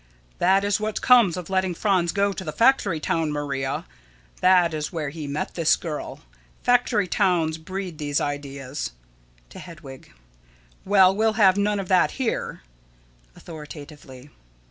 _] That is what comes of letting Franz go to a factory town, Maria. That is where he met this girl. Factory towns breed these ideas. [To Hedwig.] Well, we'll have none of that here. [_Authoritatively.